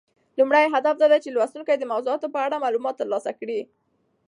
لومړی هدف دا دی چې لوستونکي د موضوعاتو په اړه معلومات ترلاسه کړي.